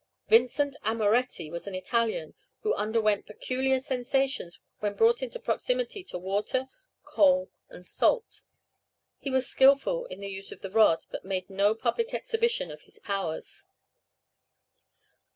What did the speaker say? Vincent Amoretti was an Italian, who underwent peculiar sensations when brought in proximity to water, coal, and salt; he was skilful in the use of the rod, but made no public exhibition of his powers.